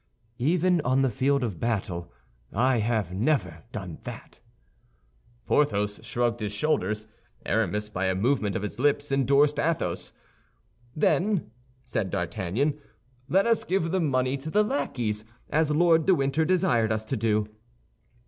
"Even on the field of battle, I have never done that." Porthos shrugged his shoulders; Aramis by a movement of his lips endorsed Athos. "Then," said D'Artagnan, "let us give the money to the lackeys, as Lord de Winter desired us to do."